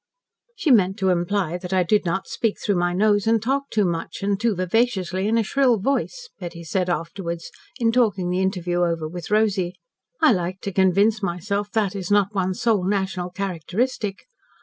"She meant to imply that I did not speak through my nose, and talk too much, and too vivaciously, in a shrill voice," Betty said afterwards, in talking the interview over with Rosy. "I like to convince myself that is not one's sole national characteristic.